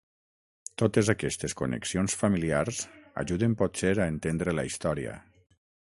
Totes aquestes connexions familiars ajuden potser a entendre la història.